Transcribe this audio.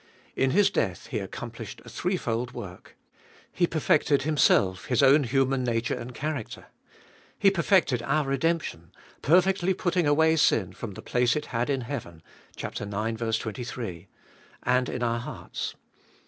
In His death He accomplished a threefold work. He perfected Him self, His own human nature and character. He perfected our redemption, perfectly putting away sin from the place it had in heaven (ix. 23), and in our hearts.